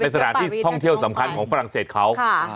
สถานที่ท่องเที่ยวสำคัญของฝรั่งเศสเขา